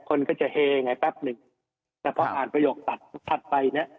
คนก็จะเฮไงแป๊บหนึ่งแต่พออ่านประโยคตัดถัดไปเนี่ย